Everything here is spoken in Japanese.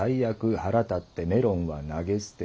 腹立ってメロンは投げ捨てた」。